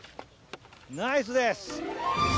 ナイスです！